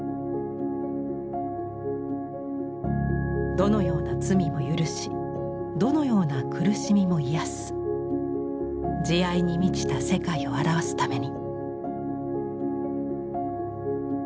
どのような罪も許しどのような苦しみも癒やす慈愛に満ちた世界を表すために。